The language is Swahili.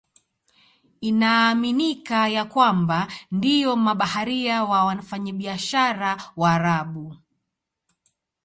Inaaminika ya kwamba ndio mabaharia na wafanyabiashara Waarabu.